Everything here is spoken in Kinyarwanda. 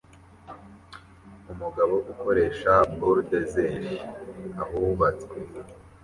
Umugabo ukoresha buldozeri ahubatswe